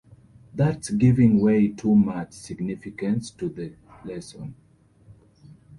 That's giving way too much significance to the lesson.